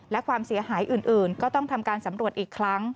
และความเสียหายอื่นก็ต้องทำการสำรวจอีกครั้ง